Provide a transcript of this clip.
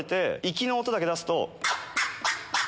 行きの音だけ出すと。